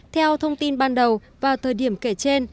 theo thông tin ban đầu vào thời điểm kể trên